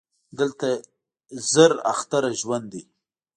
دلته زر اختره ژوند دی